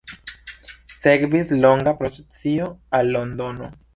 Sekvis longa procesio al Londono.